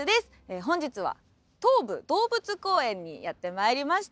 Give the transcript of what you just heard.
本日は東武動物公園にやって参りました。